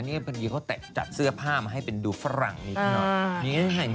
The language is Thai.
นี่พอดีเขาจัดเสื้อผ้ามาให้เป็นดูฝรั่งนิดหน่อย